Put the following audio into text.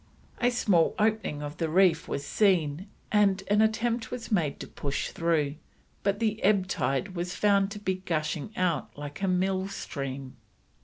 A small opening of the reef was seen and an attempt was made to push through, but the ebb tide was found to be "gushing out like a mill stream."